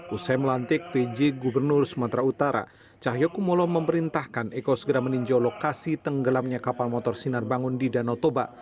usai melantik pj gubernur sumatera utara cahyokumolo memerintahkan eko segera meninjau lokasi tenggelamnya kapal motor sinar bangun di danau toba